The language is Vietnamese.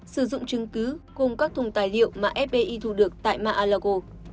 sử dụng chứng cứ cùng các thùng tài liệu mà fbi thu được tại mar a lago